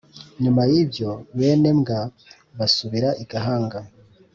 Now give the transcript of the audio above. nyuma y'ibyo, bene mbwa basubira i gahanga